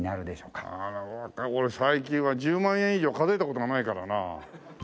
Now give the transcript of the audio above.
俺最近は１０万円以上数えた事がないからな。